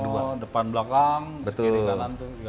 depan belakang kiri kalan itu digabung